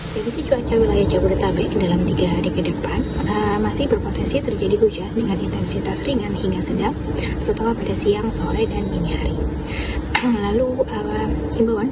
badan meteorologi klimatologi dan geofisika memprediksi cuaca di wilayah jabodetabek pada tiga hari ke depan